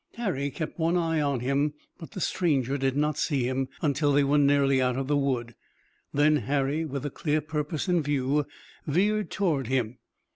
Harry kept one eye on him but the stranger did not see him until they were nearly out of the wood. Then Harry, with a clear purpose in view, veered toward him.